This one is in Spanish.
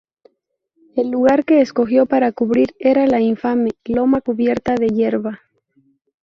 El lugar que escogió para cubrir era la infame "loma cubierta de hierba".